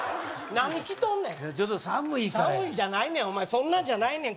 何着とんねんちょっと寒いからや寒いじゃないねんお前そんなんじゃないねん